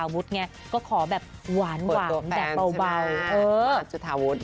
พูดตัวแฟนใช่มั้ย